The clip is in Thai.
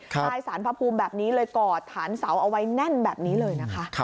สารพระภูมิแบบนี้เลยกอดฐานเสาเอาไว้แน่นแบบนี้เลยนะคะ